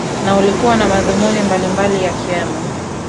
na ulikuwa na madhumuni mbalimbali yakiwemo